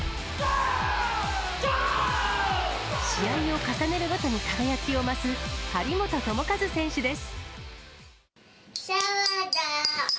試合を重ねるごとに輝きを増す張本智和選手です。